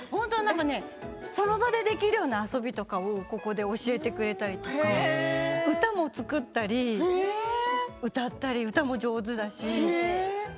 その場でできるような遊びをここで教えてくれたり歌を作ったり歌ったり、歌も上手だし。